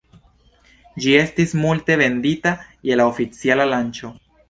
Ĝi estis multe vendita je la oficiala lanĉo.